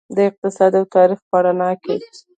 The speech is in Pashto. د اقتصاد او تاریخ په رڼا کې.